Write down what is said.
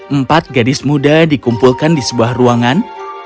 empat gadis muda dikumpulkan di sebuah ruangan